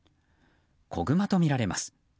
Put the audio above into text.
子グマとみられます。